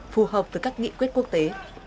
phù hợp với các nghị quyết quốc tế